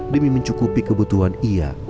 demi mencukupi kebutuhan ia